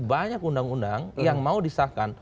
banyak undang undang yang mau disahkan